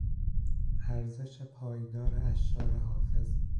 ارزش پایدار اشعار حافظ